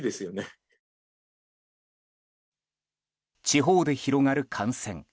地方で広がる感染。